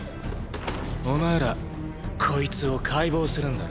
お前らこいつを解剖するんだろ？